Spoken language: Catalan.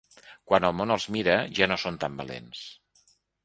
Quan el món els mira ja no són tan valents.